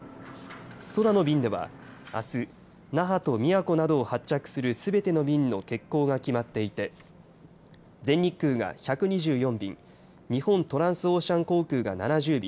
空の便では、あす那覇と宮古などを発着するすべての便の欠航が決まっていて全日空が１２４便日本トランスオーシャン航空が７０便。